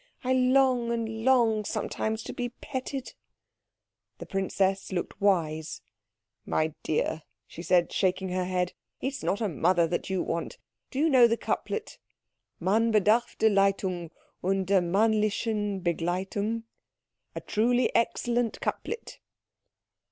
I long and long sometimes to be petted." The princess looked wise. "My dear," she said, shaking her head, "it is not a mother that you want. Do you know the couplet: Man bedarf der Leitung Und der männlichen Begleitung? A truly excellent couplet."